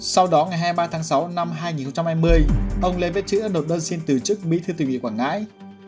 sau đó ngày hai mươi ba tháng sáu năm hai nghìn hai mươi ông lê viết chứ đã đột đơn xin từ chức bí thư tỉnh ủy quảng ngãi